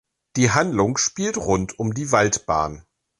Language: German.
Die Handlung spielt rund um die Waldbahn.